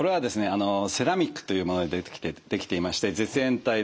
あのセラミックというもので出来ていまして絶縁体なんです。